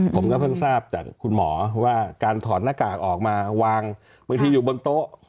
ผมก็เพิ่งทราบจากคุณหมอว่าการถอดหน้ากากออกมาวางบางทีอยู่บนโต๊ะ